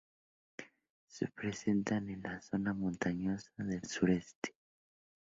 Se presentan en la zona montañosa del sureste.